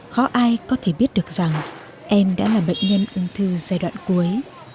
khó ai có thể biết được rằng em đã là bệnh nhân ung thư giai đoạn cuối